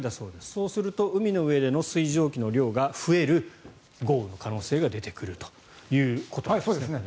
そうすると海の上の水蒸気の量が増える豪雨の可能性が出てくるということなんですね。